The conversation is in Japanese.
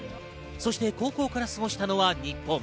そして高校から過ごしたのは日本。